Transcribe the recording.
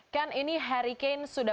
kan ini harry kane sudah